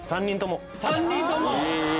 ３人とも３人とも？